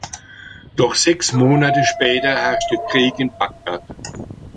Doch sechs Monate später herrschte Krieg in Bagdad.